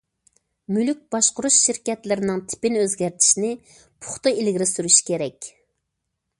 مۈلۈك باشقۇرۇش شىركەتلىرىنىڭ تىپىنى ئۆزگەرتىشنى پۇختا ئىلگىرى سۈرۈش كېرەك.